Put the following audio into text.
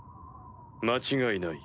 間違いない。